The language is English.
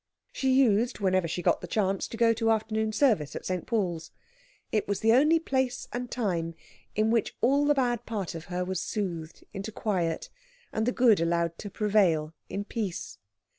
She used, whenever she got the chance, to go to afternoon service at St. Paul's. It was the only place and time in which all the bad part of her was soothed into quiet, and the good allowed to prevail in peace.